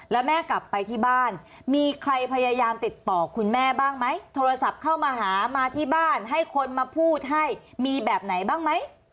แล้วแม่กลับไปที่บ้านมีใครพยายามติดต่อคุณแม่บ้างไหมโทรศัพท์เข้ามาหามาที่บ้านให้คนมาพูดให้มีแบบไหนบ้างไหม